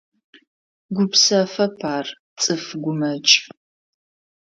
Гупсэфэп ар, цӏыф гумэкӏ.